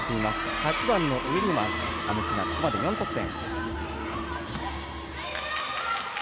８番のウィリアムズがここまで４得点。